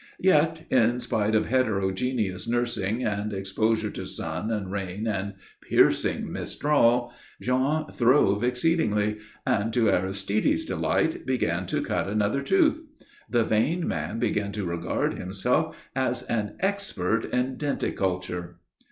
Yet, in spite of heterogeneous nursing and exposure to sun and rain and piercing mistral, Jean throve exceedingly, and, to Aristide's delight, began to cut another tooth. The vain man began to regard himself as an expert in denticulture.